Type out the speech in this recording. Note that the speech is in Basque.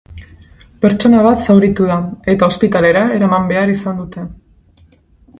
Pertsona bat zauritu da, eta ospitalera eraman behar izan dute.